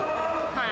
はい。